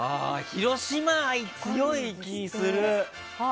広島愛、強い気する！